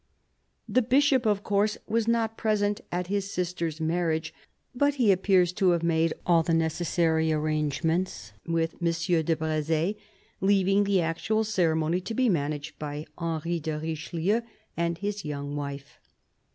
The Bishop, of course, was not present at his sister's marriage; but he appears to have made all the necessary arrangements with M. de Brez6, leaving the actual cere mony to be managed by Henry de Richelieu and his young wife.